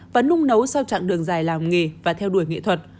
và nung nấu sau chặng đường dài làm nghề và theo đuổi nghệ thuật